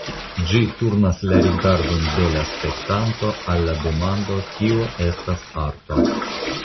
Ĝi turnas la rigardon de la spektanto al la demando "Kio estas arto?